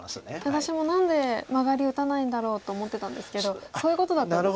私も何でマガリ打たないんだろうと思ってたんですけどそういうことだったんですね。